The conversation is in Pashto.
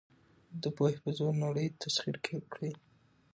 د پوهې په زور نړۍ تسخیر کړئ.